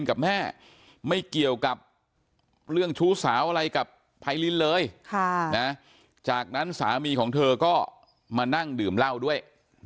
กับแม่ไม่เกี่ยวกับเรื่องชู้สาวอะไรกับไพรินเลยจากนั้นสามีของเธอก็มานั่งดื่มเหล้าด้วย